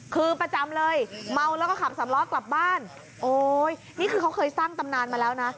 คือประจำเลยเมาแล้วก็ขับสำล้อกลับบ้านโอ้ยนี่คือเขาเคยสร้างตำนานมาแล้วนะ